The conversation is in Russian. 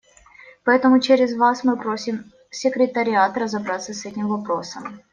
Поэтому через Вас мы просим секретариат разобраться с этим вопросом.